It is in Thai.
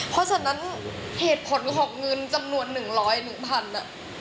เพราะฉะนั้นเหตุผลของเงินจำนวนหนึ่งร้อยหนึ่งพันอะ